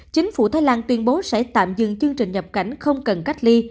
chính phủ thái lan tuyên bố sẽ tạm dừng chương trình nhập cảnh không cần cách ly